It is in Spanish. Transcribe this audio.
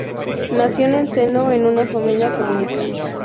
Nació en el seno de una familia comunista.